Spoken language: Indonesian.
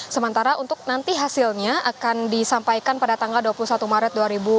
sementara untuk nanti hasilnya akan disampaikan pada tanggal dua puluh satu maret dua ribu dua puluh